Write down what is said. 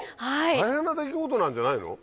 大変な出来事なんじゃないの？